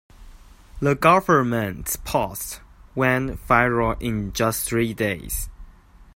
The government's post went viral in just three days.